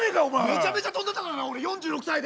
めちゃめちゃ跳んだんだからな４６歳で。